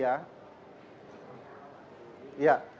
saya tidak mengerti ya